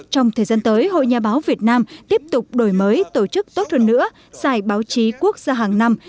trong thời gian tới hội nhà báo việt nam tiếp tục đổi mới tổ chức tốt hơn nữa giải báo chí quốc gia hàng năm